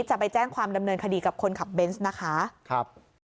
จะไปแจ้งความดำเนินคดีกับคนขับเบนส์นะคะครับ